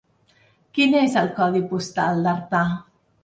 Quin és el codi postal d'Artà?